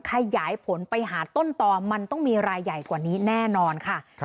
ขยายผลไปหาต้นต่อมันต้องมีรายใหญ่กว่านี้แน่นอนค่ะ